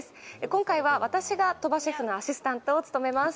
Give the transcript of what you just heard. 今回は私が鳥羽シェフのアシスタントを務めます。